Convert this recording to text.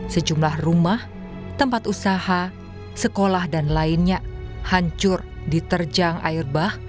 sejumlah rumah tempat usaha sekolah dan lainnya hancur diterjang air bah